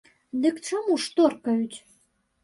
Дык чаму ж торкаюць?